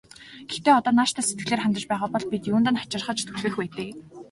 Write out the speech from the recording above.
Гэхдээ одоо нааштай сэтгэлээр хандаж байгаа бол бид юунд нь хачирхаж түлхэх вэ дээ.